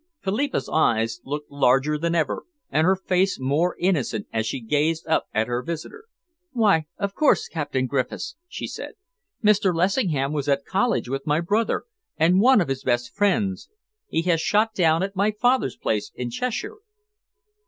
Philippa's eyes looked larger than ever, and her face more innocent, as she gazed up at her visitor. "Why, of course, Captain Griffiths," she said. "Mr. Lessingham was at college with my brother, and one of his best friends. He has shot down at my father's place in Cheshire."